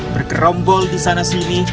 bergerombol disana sini